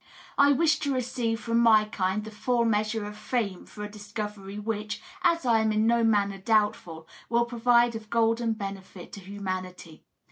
I wish to receive from my kind the fiiU measure of fame for a dis covery which, as I am in no manner doubtful, will prove of golden benefit to humanity.